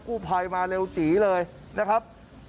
กู้ภัยมาเร็วจีเลยนะครับ